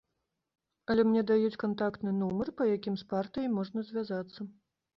Але мне даюць кантактны нумар, па якім з партыяй можна звязацца.